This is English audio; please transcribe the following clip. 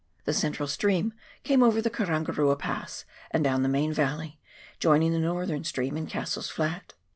The central stream came over the Karangarua Pass, and down the main valley, joining the northern stream in Cassell's Flat.